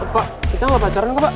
pak kita gak pacaran kok